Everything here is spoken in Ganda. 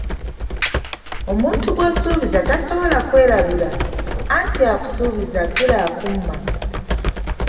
Omuntu gw’osuubiza tasobala kwerabira, anti akusuubiza akira akumma.